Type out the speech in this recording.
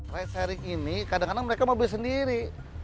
ridesharing ini kadang kadang mereka mobil sendiri